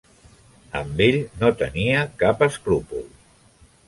Amb ell no tenia cap escrúpol.